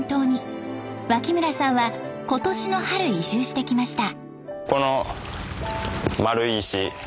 脇村さんは今年の春移住してきました。